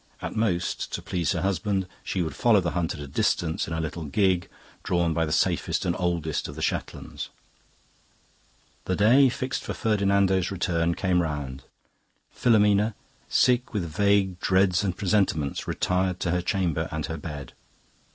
At most, to please her husband, she would follow the hunt at a distance in a little gig drawn by the safest and oldest of the Shetlands. "The day fixed for Ferdinando's return came round. Filomena, sick with vague dreads and presentiments, retired to her chamber and her bed.